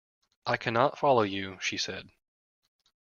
I cannot follow you, she said.